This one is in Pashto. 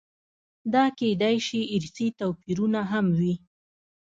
دا کېدای شي ارثي توپیرونه هم وي.